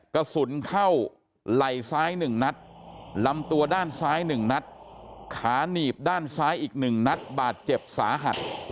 กระสุนเข้าไหล่ซ้าย๑นัดลำตัวด้านซ้าย๑นัดขาหนีบด้านซ้ายอีก๑นัดบาดเจ็บสาหัส